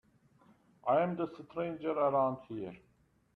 I'm the stranger around here.